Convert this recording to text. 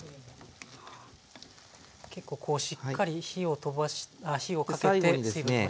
結構しっかり火をかけて水分とばして。